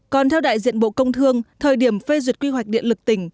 còn theo đại diện bộ công thương thời điểm phê duyệt quy hoạch điện lực tỉnh